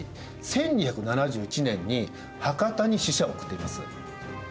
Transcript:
１２７１年に博多に使者を送っています。